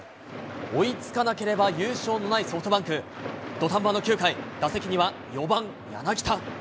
追いつかなければ優勝のないソフトバンク、土壇場の９回、打席には４番柳田。